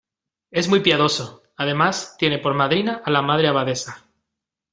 es muy piadoso... además tiene por madrina a la Madre Abadesa .